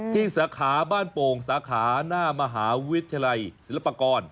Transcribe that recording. สาขาบ้านโป่งสาขาหน้ามหาวิทยาลัยศิลปากร